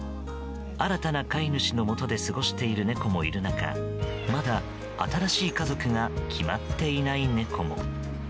新たな飼い主のもとで過ごしている猫もいる中まだ新しい家族が決まっていない猫も。